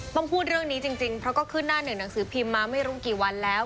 พูดเรื่องนี้จริงเพราะก็ขึ้นหน้าหนึ่งหนังสือพิมพ์มาไม่รู้กี่วันแล้ว